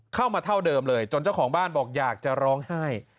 เข้ามาเท่าเดิมเลยจนเจ้าของบ้านบอกอยากจะร้องไห้